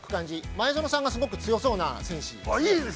前園さんがすごく強そうな感じ。